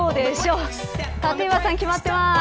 立岩さん決まってます。